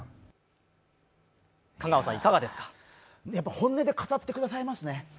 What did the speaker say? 本音で語ってくださいますね。